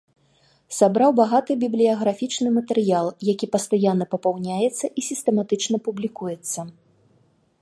Сабраў багаты бібліяграфічны матэрыял, якія пастаянна папаўняецца і сістэматычна публікуецца.